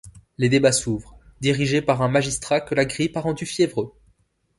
Les débats s'ouvrent, dirigés par un magistrat que la grippe a rendu fiévreux.